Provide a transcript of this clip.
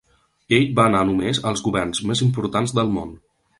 Ell va anar només als governs més importants del món.